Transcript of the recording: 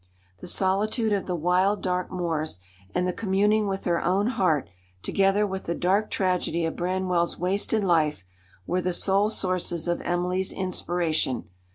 The solitude of the wild, dark moors, and the communing with her own heart, together with the dark tragedy of Branwell's wasted life, were the sole sources of Emily's inspiration.